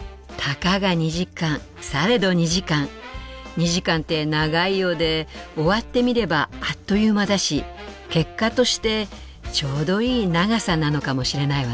２時間って長いようで終わってみればあっという間だし結果としてちょうどいい長さなのかもしれないわね。